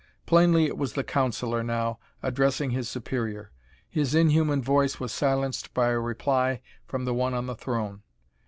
Plainly it was the councilor now, addressing his superior. His inhuman voice was silenced by a reply from the one on the throne.